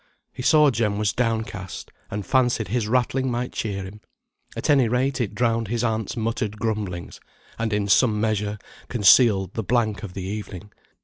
He saw Jem was downcast, and fancied his rattling might cheer him; at any rate, it drowned his aunt's muttered grumblings, and in some measure concealed the blank of the evening.